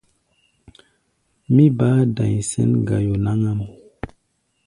Mí baá da̧i̧ sɛ̌n gayo náŋ-ám.